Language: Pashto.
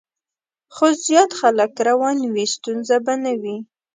خو زیات خلک روان وي، ستونزه به نه وي.